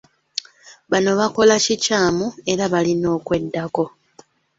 Bano bakola kikyamu era balina okweddako.